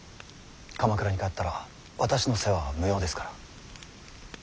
鎌倉に帰ったら私の世話は無用ですから。